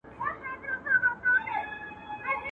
زموږ پر کور باندي چي غم دی خو له ده دی.